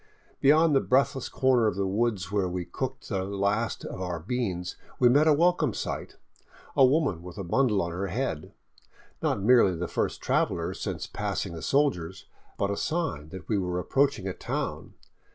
Beyond the breathless corner of the woods where we cooked the last of our beans we met a welcome sight, — a woman with a bundle on her head; not merely the first traveler since passing the soldiers, but a sign that we were approaching a town.